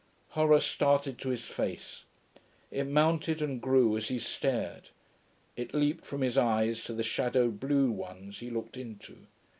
Horror started to his face; it mounted and grew as he stared; it leaped from his eyes to the shadowed blue ones he looked into.